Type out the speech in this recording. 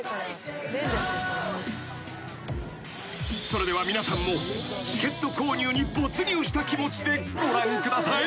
［それでは皆さんもチケット購入に没入した気持ちでご覧ください］